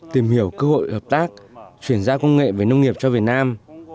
tìm hiểu cơ hội hợp tác chuyển giao công nghệ về nông nghiệp cho việt nam